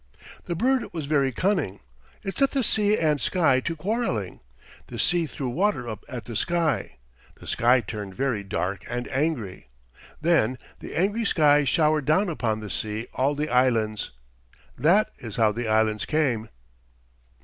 The bird was very cunning. It set the sea and sky to quarreling. The sea threw water up at the sky. The sky turned very dark and angry. Then the angry sky showered down upon the sea all the Islands. That is how the Islands came."